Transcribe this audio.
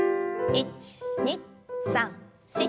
１２３４。